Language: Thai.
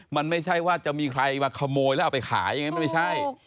มันไม่ใช่ว่าจะมีใครมาขโมยแล้วเอาไปขายไม่ใช่